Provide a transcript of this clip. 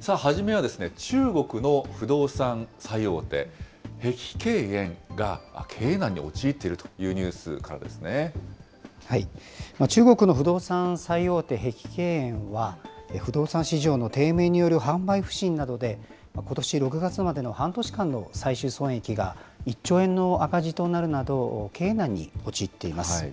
さあ、初めは中国の不動産最大手、碧桂園が経営難に陥っているというニ中国の不動産最大手、碧桂園は、不動産市場の低迷による販売不振などで、ことし６月までの半年間の最終損益が１兆円の赤字となるなど、経営難に陥っています。